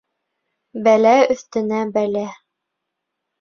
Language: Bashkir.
Бәлә өҫтөнә бәлә.